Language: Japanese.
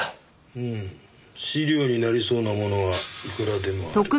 うん試料になりそうなものはいくらでもある。